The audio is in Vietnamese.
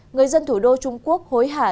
người dân thủ đô trung quốc hối hả